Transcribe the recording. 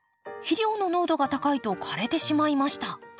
肥料の濃度が高いと枯れてしまいました。